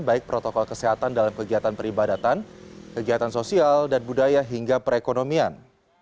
baik protokol kesehatan dalam kegiatan peribadatan kegiatan sosial dan budaya hingga perekonomian